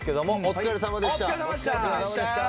お疲れさまでした。